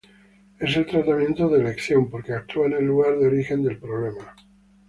Es el tratamiento de elección, porque actúa en el lugar de origen del problema.